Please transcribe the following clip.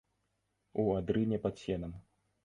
У адрыне пад сенам.